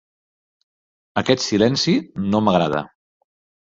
Aquest silenci no m'agrada.